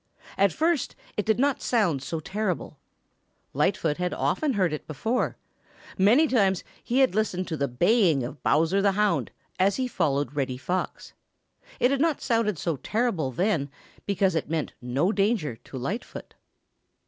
At first it did not sound so terrible. Lightfoot had often heard it before. Many times he had listened to the baying of Bowser the Hound, as he followed Reddy Fox. It had not sounded so terrible then because it meant no danger to Lightfoot.